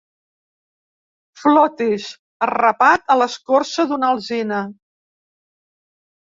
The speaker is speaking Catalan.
Flotis arrapat a l'escorça d'una alzina.